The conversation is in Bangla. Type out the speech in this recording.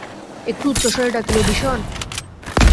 একটু উচ্চস্বরে ডাকিল, বিষন!